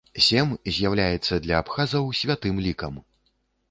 Сем з'яўляецца для абхазаў святым лікам.